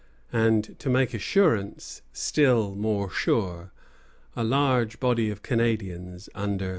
And to make assurance still more sure, a large body of Canadians, under M.